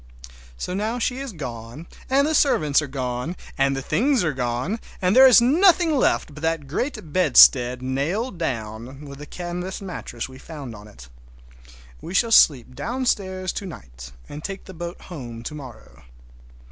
So now she is gone, and the servants are gone, and the things are gone, and there is nothing left but that great bedstead nailed down, with the canvas mattress we found on it. We shall sleep downstairs to night, and take the boat home to morrow.